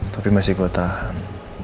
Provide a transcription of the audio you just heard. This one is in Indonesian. tapi masih gue tahan